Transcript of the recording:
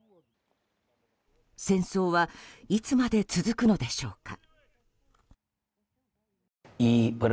戦争はいつまで続くのでしょうか。